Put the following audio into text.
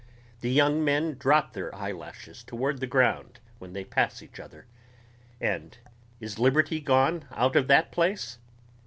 the young men drop their eyelashes toward the ground when they pass each other ... and is liberty gone out of that place?